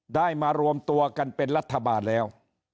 ได้มารวมตัวกันเป็นรัฐบาลแล้ว